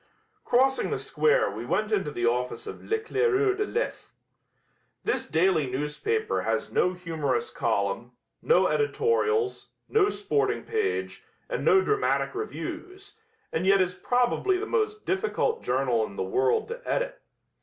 Crossing the square we went into the office of L'Eclaireur de l'Est. This daily newspaper has no humorous column, no editorials, no sporting page and no dramatic reviews, and yet is probably the most difficult journal in the world to edit.